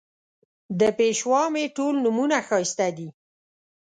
د پېشوا مې ټول نومونه ښایسته دي